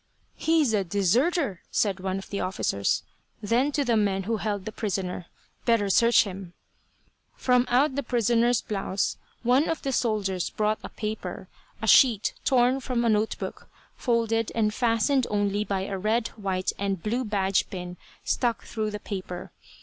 "He's a deserter," said one of the officers. Then to the men who held the prisoner, "Better search him." From out the prisoner's blouse one of the soldiers brought a paper, a sheet torn from a note book, folded, and fastened only by a red, white and blue badge pin stuck through the paper.